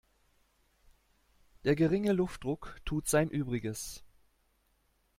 Der geringe Luftdruck tut sein Übriges.